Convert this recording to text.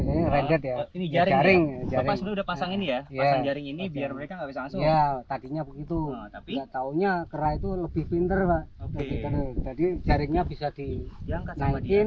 mereka bisa ya tadinya begitu tapi tahunnya kerah itu lebih pinter jadi jaringnya bisa diangkat